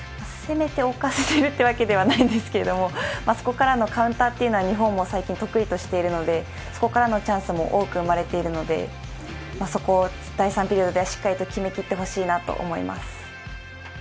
攻めておかせているというわけではないんですけど、そこからのカウンターというのは日本も最近、得意としているのでそこからのチャンスも多く生まれているので、そこを第３ピリオドではしっかりと決めきってほしいなと思います。